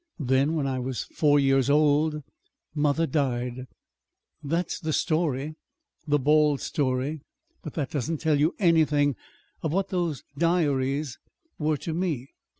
Then, when I was four years old, mother died. "That is the story the bald story. But that doesn't tell you anything of what those diaries were to me.